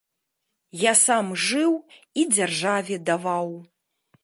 Я сам жыў і дзяржаве даваў.